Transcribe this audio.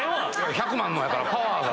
１００万のやからパワーが。